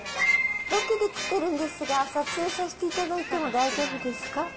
ロケで来てるんですが、撮影させていただいても大丈夫ですか。